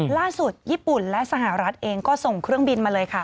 ล่าสุดญี่ปุ่นและสหรัฐเองก็ส่งเครื่องบินมาเลยค่ะ